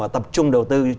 tập trung đầu tư